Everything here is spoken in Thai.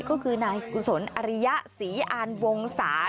ก็คือนายกุศลอริยะศรีอานวงศา